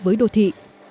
với đô thị